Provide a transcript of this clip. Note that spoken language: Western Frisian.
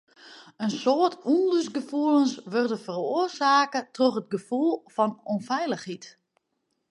In soad ûnlustgefoelens wurde feroarsake troch it gefoel fan ûnfeilichheid.